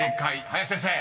林先生］